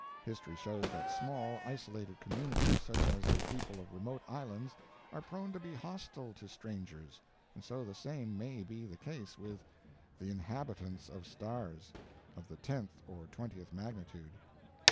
History shows that small, isolated communities, such as the people of remote islands, are prone to be hostile to strangers, and so the same may be the case with THE INHABITANTS OF STARS of the tenth or twentieth magnitude.